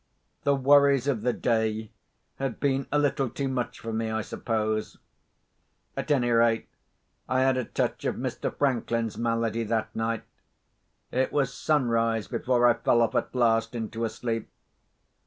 The worries of the day had been a little too much for me, I suppose. At any rate, I had a touch of Mr. Franklin's malady that night. It was sunrise before I fell off at last into a sleep.